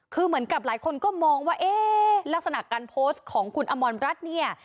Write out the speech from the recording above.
คือเหมือนกับหลายคนก็มองว่าเอ๊ะลักษณะการโพสต์ของคุณอมรรัฐเนี่ย